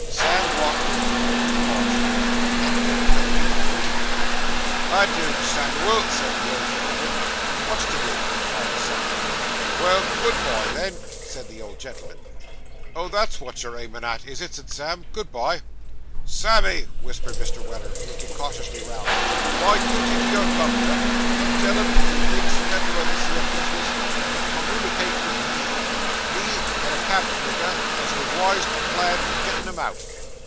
Sam walked with them to the lodge gate, and took a dutiful leave. 'A do, Samivel,' said the old gentleman. 'Wot's a do?' inquired Sammy. 'Well, good bye, then,' said the old gentleman. 'Oh, that's wot you're aimin' at, is it?' said Sam. 'Good bye!' 'Sammy,' whispered Mr. Weller, looking cautiously round; 'my duty to your gov'nor, and tell him if he thinks better o' this here bis'ness, to com moonicate vith me. Me and a cab'net maker has dewised a plan for gettin' him out.